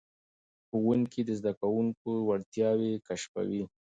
ښوونکي د زده کوونکو وړتیاوې کشفوي.